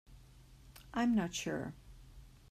I am not sure.